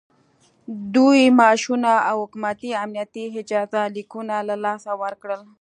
دوی معاشونه او حکومتي امنیتي اجازه لیکونه له لاسه ورکړل